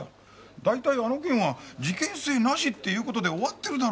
大体あの件は事件性なしっていう事で終わってるだろ。